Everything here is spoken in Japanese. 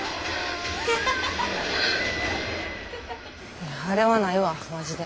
いやあれはないわマジで。